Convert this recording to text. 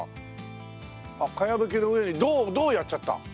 あっ茅葺きの上に銅をやっちゃった？